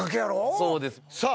そうですさあ